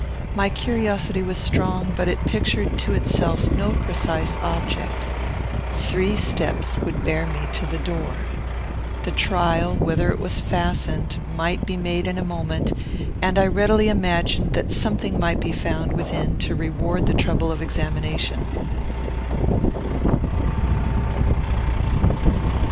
My curiosity was strong, but it pictured to itself no precise object. Three steps would bear me to the door. The trial, whether it was fastened, might be made in a moment; and I readily imagined that something might be found within to reward the trouble of examination.